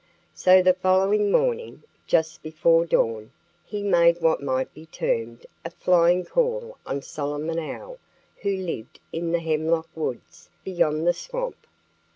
So the following morning, just before dawn, he made what might be termed a flying call on Solomon Owl who lived in the hemlock woods beyond the swamp.